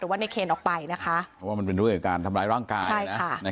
ว่าในเคนออกไปนะคะเพราะว่ามันเป็นเรื่องการทำร้ายร่างกาย